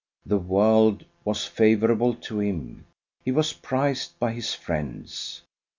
The world was favourable to him; he was prized by his friends.